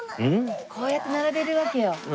こうやって並べるわけよ。